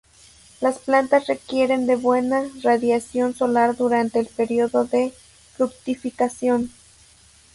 Las plantas requieren de buena radiación solar durante el período de fructificación.